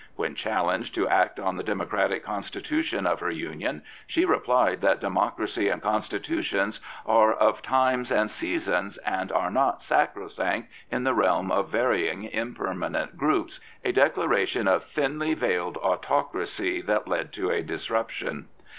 When challenged to act on the democratic constitution of her union, she replied that democracy and constitutions are of times and seasons, and are not sacrosanct in the realm of varying impermanent groups — a declaration of thinly veiled autocracy that led to a disruption.